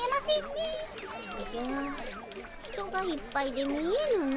おじゃ人がいっぱいで見えぬの。